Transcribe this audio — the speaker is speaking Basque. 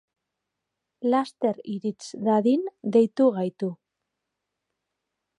Laster irits dadin deitu gaitu.